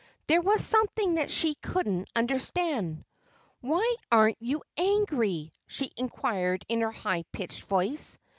There was something that she couldn't understand. "Why aren't you angry?" she inquired in her high pitched voice.